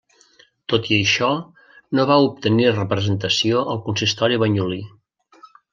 Tot i això, no va obtenir representació al consistori banyolí.